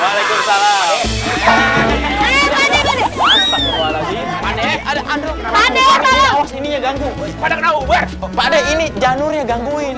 ini yang ganggu pada ini janurnya gangguin